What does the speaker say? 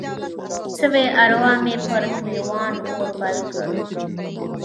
سوي اروا مې پر ګریوان اور بل کړ